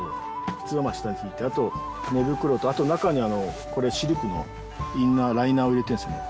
普通は下に敷いてあと寝袋とあと中にこれシルクのインナーライナーを入れてるんですよね。